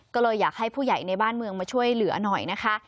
ก็เลยอยากให้ผู้ใหญ่ในบ้านเมืองมาช่วยเหลือหน่อยนะคะ